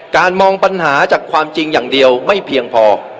มองปัญหาจากความจริงอย่างเดียวไม่เพียงพอ